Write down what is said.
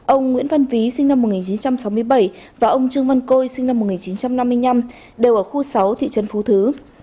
ông nguyễn văn ví sinh năm một nghìn chín trăm sáu mươi bảy và ông trương văn côi sinh năm một nghìn chín trăm năm mươi năm đều ở khu sáu thị trấn phú thứ